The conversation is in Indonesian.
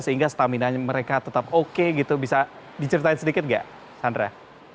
sehingga stamina mereka tetap oke gitu bisa diceritain sedikit nggak sandra